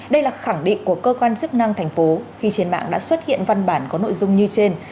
đây là khẳng định của cơ quan chức năng thành phố khi trên mạng đã xuất hiện văn bản có nội dung như trên